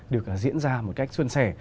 được diễn ra một cách xuân sẻ